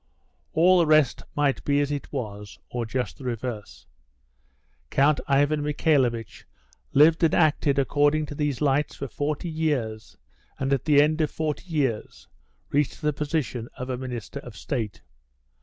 All the rest might be as it was, or just the reverse. Count Ivan Michaelovitch lived and acted according to these lights for 40 years, and at the end of 40 years reached the position of a Minister of State.